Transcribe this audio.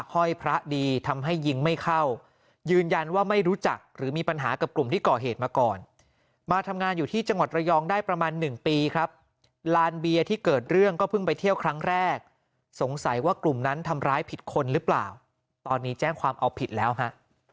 ห้อยพระดีทำให้ยิงไม่เข้ายืนยันว่าไม่รู้จักหรือมีปัญหากับกลุ่มที่ก่อเหตุมาก่อนมาทำงานอยู่ที่จังหวัดระยองได้ประมาณหนึ่งปีครับลานเบียร์ที่เกิดเรื่องก็เพิ่งไปเที่ยวครั้งแรกสงสัยว่ากลุ่มนั้นทำร้ายผิดคนหรือเปล่าตอนนี้แจ้งความเอาผิดแล้วฮะ